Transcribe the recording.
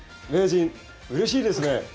名人うれしいですね。